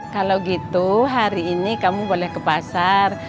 kalau gitu hari ini kamu boleh ke pasar